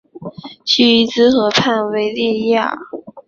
叙伊兹河畔维利耶尔。